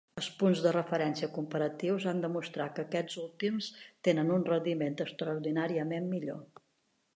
Els punts de referència comparatius han demostrat que aquests últims tenen un rendiment extraordinàriament millor.